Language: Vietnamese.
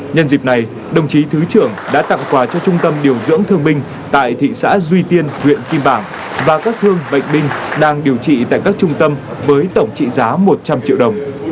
nhân dịp này đồng chí thứ trưởng đã tặng quà cho trung tâm điều dưỡng thương binh tại thị xã duy tiên huyện kim bảng và các thương bệnh binh đang điều trị tại các trung tâm với tổng trị giá một trăm linh triệu đồng